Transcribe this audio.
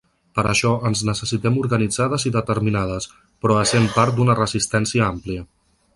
Per això ens necessitem organitzades i determinades, però essent part d’una resistència àmplia.